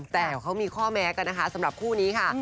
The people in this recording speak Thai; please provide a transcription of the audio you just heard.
แต่เขามีข้อแม้กันนะคะสำหรับคู่นี้ค่ะ